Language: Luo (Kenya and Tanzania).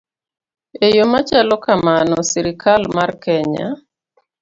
E yo machalo kamano, sirkal mar Kenya